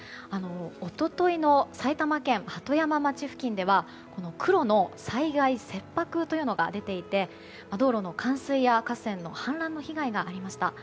一昨日の埼玉県鳩山町付近では黒の災害切迫というのが出ていて道路の冠水や河川の氾濫の被害がありました。